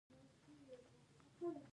فاریاب د افغان کلتور په داستانونو کې راځي.